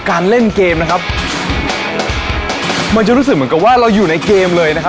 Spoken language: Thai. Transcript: ยังมีอะไรอยู่นั่ง